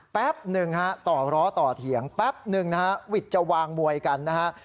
แป๊บหนึ่งต่อร้อต่อเถียงแป๊บหนึ่งวิจจะวางมวยกันนะครับ